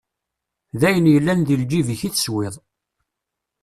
D ayen yellan deg lǧib-ik i teswiḍ.